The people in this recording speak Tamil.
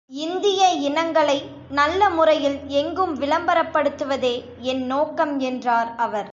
இந்திய இனங்களை நல்ல முறையில் எங்கும் விளம்பரப்படுத்துவதே என் நோக்கம் என்றார் அவர்.